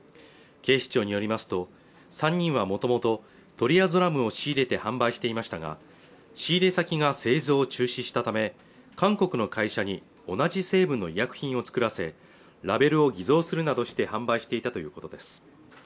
警視庁によりますと３人はもともとトリアゾラムを仕入れて販売していましたが仕入れ先が製造中止したため韓国の会社に同じ成分の薬品を作らせラベルを偽造するなどして販売していたということです